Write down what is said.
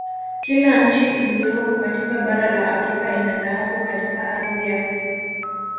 Kila nchi ilyopo katika bara la Afrika ina dhahabu katika ardhi yake